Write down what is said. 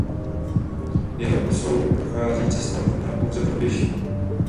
Jeho osou prochází cesta vhodná pouze pro pěší.